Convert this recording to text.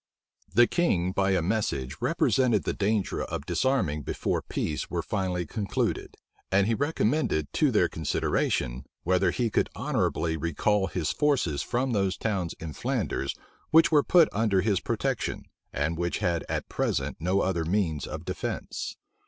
The king by a message represented the danger of disarming before peace were finally concluded; and he recommended to their consideration, whether he could honorably recall his forces from those towns in Flanders which were put under his protection, and which had at present no other means of defence.